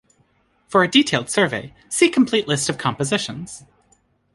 For a detailed survey, see complete list of compositions.